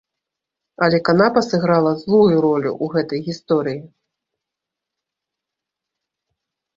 Але канапа сыграла злую ролю ў гэтай гісторыі.